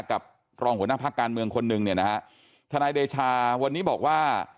กับรองหัวหน้าพักการเมืองคนหนึ่งเนี่ยนะฮะทนายเดชาวันนี้บอกว่า